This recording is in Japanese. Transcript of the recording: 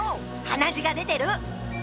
鼻血が出てる！